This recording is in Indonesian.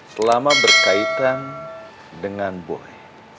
selama berkaitan dengan boy